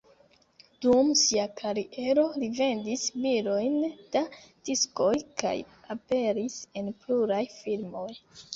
Dum sia kariero li vendis milojn da diskoj kaj aperis en pluraj filmoj.